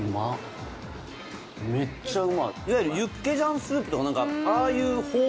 いわゆるユッケジャンスープとかああいう方向の。